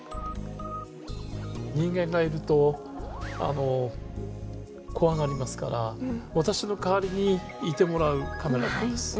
人間がいると怖がりますから私の代わりにいてもらうカメラなんです。